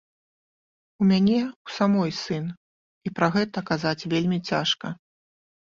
У мяне ў самой сын, і пра гэта казаць вельмі цяжка.